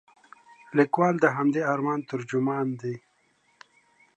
لیکوال د همدې ارمان ترجمان دی.